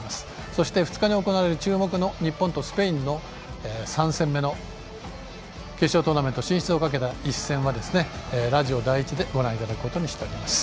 そして、２日に行われる日本とスペインの３戦目の決勝トーナメント進出をかけた一戦は、ラジオ第１でご覧いただくことにしております。